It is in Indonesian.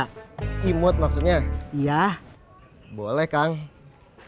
kirain abang kuat